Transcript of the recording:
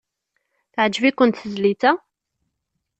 Teɛjeb-ikent tezlit-a?